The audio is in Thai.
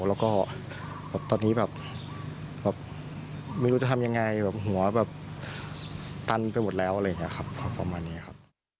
แล้วก็ตอนนี้ไม่รู้จะทำยังไงหัวตันไปหมดแล้วอะไรแบบนี้ครับ